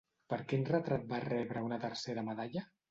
Per quin retrat va rebre una tercera medalla?